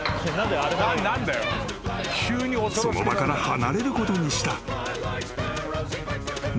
［その場から離れることにしたのを］